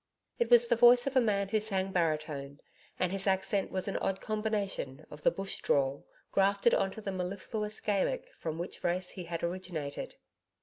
It was the voice of a man who sang baritone, and his accent was an odd combination of the Bush drawl grafted on to the mellifluous Gaelic, from which race he had originated.